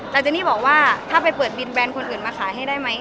แต่เจนี่บอกว่าถ้าไปเปิดบินแบรนด์คนอื่นมาขายให้ได้ไหม